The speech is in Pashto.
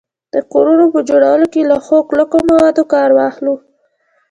د کورونو په جوړولو کي له ښو کلکو موادو کار واخلو